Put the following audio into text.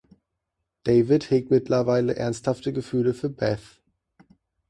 David hegt mittlerweile ernsthafte Gefühle für Beth.